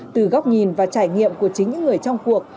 từ góc nhìn và trải nghiệm của chính những người trong cuộc